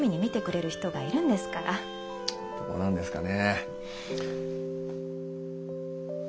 どうなんですかね。